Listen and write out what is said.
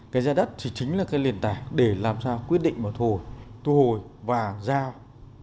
cái giá đất thì chính là cái liền tài để làm sao quyết định vào thù hồi và giao